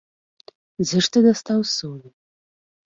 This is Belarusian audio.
Дзе ж ты дастаў солі?